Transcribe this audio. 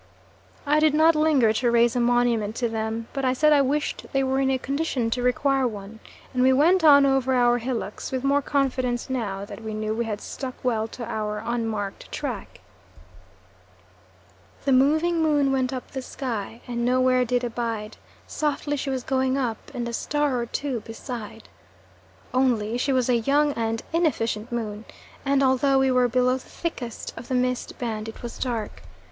I did not linger to raise a monument to them, but I said I wished they were in a condition to require one, and we went on over our hillocks with more confidence now that we knew we had stuck well to our unmarked track. "The moving Moon went up the sky, And nowhere did abide: Softly she was going up, And a star or two beside." Only she was a young and inefficient moon, and although we were below the thickest of the mist band, it was dark.